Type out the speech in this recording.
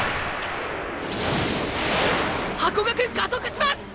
ハコガク加速します！！